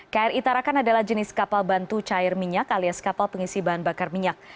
kri tarakan adalah jenis kapal bantu cair minyak alias kapal pengisi bahan bakar minyak